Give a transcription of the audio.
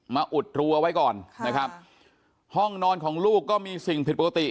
อุดรัวไว้ก่อนนะครับห้องนอนของลูกก็มีสิ่งผิดปกติ